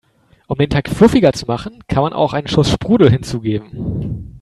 Um den Teig fluffiger zu machen, kann man auch einen Schuss Sprudel hinzugeben.